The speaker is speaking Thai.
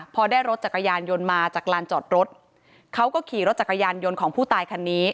พอได้รถจักรยานยนต์มาจากลานจอดรถเขาก็ขี่รถจักรยานยนต์ของผู้ตายคันนี้